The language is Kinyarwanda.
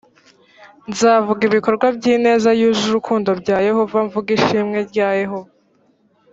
nzavuga ibikorwa by ineza yuje urukundo bya yehova mvuge ishimwe rya yehova